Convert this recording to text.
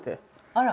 あら！